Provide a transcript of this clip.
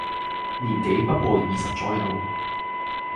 年紀不過二十左右，